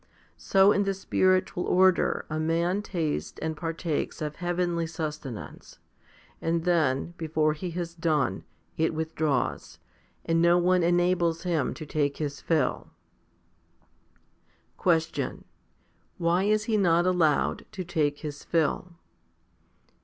So in the spiritual order a man tastes and partakes 1 Gen. iii. 5. 204 FIFTY SPIRITUAL HOMILIES of heavenly sustenance, and then, before he has done, it withdraws, and no one enables him to take his fill. 8. Question. Why is he not allowed to take his fill